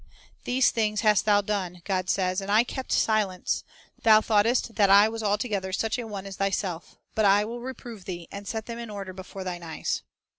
"These things hast thou done," God says, "and I kept silence; thou thoughtest that I was altogether such a one as thyself; but I will reprove thee, and set them in order before thine eyes."